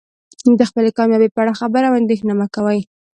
د خپلې کامیابۍ په اړه خبرې او اندیښنه مه کوئ.